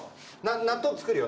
納豆作るよ。